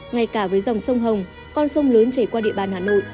ngay cả với dòng sông hồng con sông lớn chảy qua địa bàn hà nội